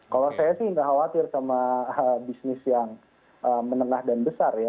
kalau saya sih nggak khawatir sama bisnis yang menengah dan besar ya